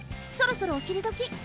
そろそろおひるどき。